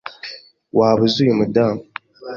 Waba uzi uyu mudamu?